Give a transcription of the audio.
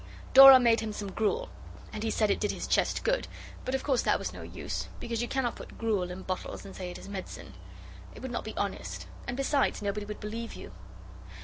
Dora made him some gruel, and he said it did his chest good; but of course that was no use, because you cannot put gruel in bottles and say it is medicine. It would not be honest, and besides nobody would believe you.